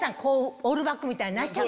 オールバックみたいになっちゃう。